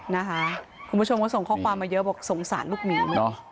นะคะคุณผู้ชมก็ส่งข้อความมาเยอะบอกสงสารลูกหมี